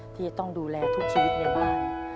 ที่จะต้องดูแลทุกชีวิตในบ้าน